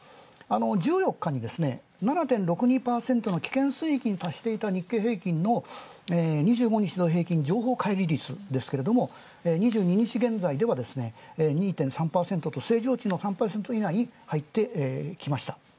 １４日に７．６２％の危険水域に達していた日経平均の２５日の２２日現在では２．３％と正常値の３％以内に入ってきました。